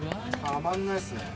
たまんないっすね。